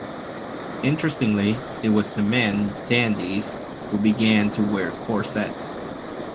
Interestingly, it was the men, Dandies, who began to wear corsets.